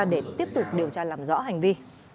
để tiếp tục điều tra làm rõ hành vi